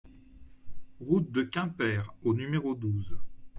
Route de Quimper au numéro douze